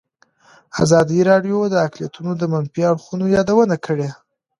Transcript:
ازادي راډیو د اقلیتونه د منفي اړخونو یادونه کړې.